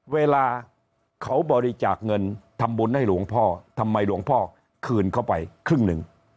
เวลาเขาบริจาคเงินทำบุญให้หลวงพ่อทำไมหลวงพ่อคืนเข้าไปครึ่งหนึ่ง